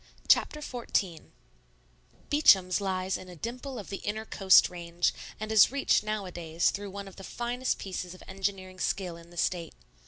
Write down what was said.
Chapter XIV Beacham's lies in a dimple of the inner coast range, and is reached nowadays through one of the finest pieces of engineering skill in the State.